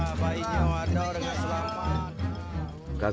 ah bayinya waduh udah gak selamat